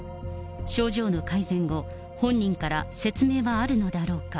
症状の改善後、本人から説明はあるのだろうか。